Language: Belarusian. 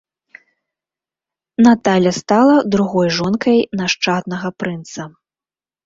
Наталля стала другой жонкай нашчаднага прынца.